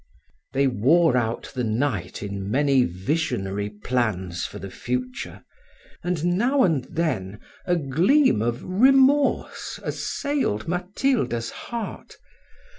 They wore out the night in many visionary plans for the future, and now and then a gleam of remorse assailed Matilda's heart.